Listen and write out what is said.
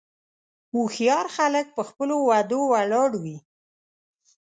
هوښیار خلک په خپلو وعدو ولاړ وي.